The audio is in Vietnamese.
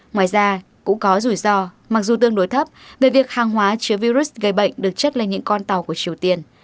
ngoài ra cũng có rủi ro mặc dù tương đối thấp về việc hàng hóa chứa virus gây bệnh được chất lên những con tàu của triều tiên